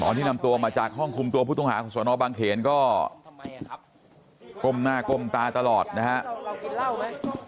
ที่นำตัวมาจากห้องคุมตัวผู้ต้องหาของสนบางเขนก็ก้มหน้าก้มตาตลอดนะครับ